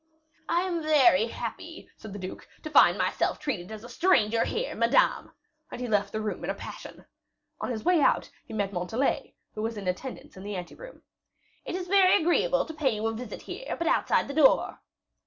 "I am very happy," said the duke, "to find myself treated as a stranger here, Madame," and he left the room in a passion. On his way out, he met Montalais, who was in attendance in the ante room. "It is very agreeable to pay you a visit here, but outside the door."